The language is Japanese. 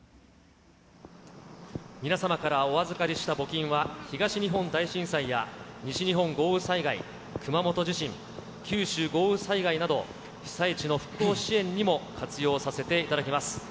皆様からお預かりした募金は、東日本大震災や、西日本豪雨災害、熊本地震、九州豪雨災害など、被災地の復興支援にも活用させていただきます。